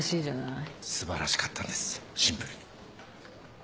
素晴らしかったんですシンプルに。